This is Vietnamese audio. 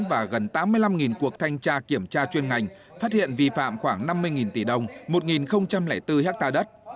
và gần tám mươi năm cuộc thanh tra kiểm tra chuyên ngành phát hiện vi phạm khoảng năm mươi tỷ đồng một bốn hectare đất